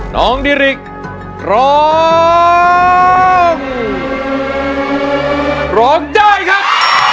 น้องดิริกร้องร้องได้ครับ